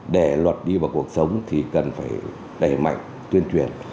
để luật đi vào cuộc sống thì cần phải đẩy mạnh tuyên truyền